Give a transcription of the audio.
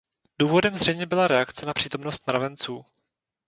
Důvodem zřejmě byla reakce na přítomnost mravenců.